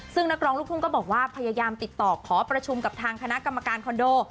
ซึ่งนักร้องลูกทุ่งก็บอกว่าพยายามติดต่อขอประชุมกับทางคณะกรรมการคอนโด